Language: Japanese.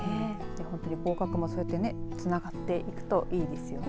本当に合格もそうやってつながっていくといいですよね。